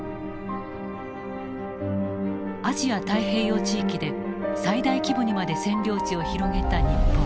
アジア・太平洋地域で最大規模にまで占領地を広げた日本。